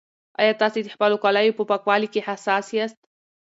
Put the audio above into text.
ایا تاسي د خپلو کالیو په پاکوالي کې حساس یاست؟